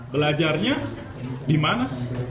belajarnya di mana